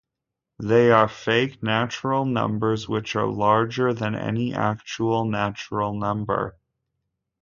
They are fake natural numbers which are "larger" than any actual natural number.